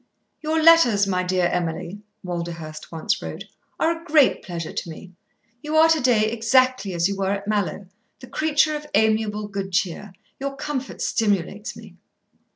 "Your letters, my dear Emily," Walderhurst once wrote, "are a great pleasure to me. You are to day exactly as you were at Mallowe, the creature of amiable good cheer. Your comfort stimulates me."